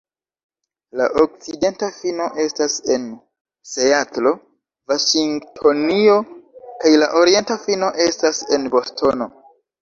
La okcidenta fino estas en Seatlo, Vaŝingtonio, kaj la orienta fino estas en Bostono.